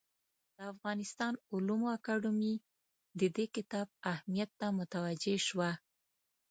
د افغانستان علومو اکاډمي د دې کتاب اهمیت ته متوجه شوه.